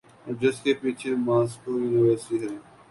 اورجس کے پیچھے Moscow university ہے۔